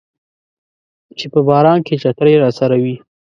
چې په باران کې چترۍ راسره وي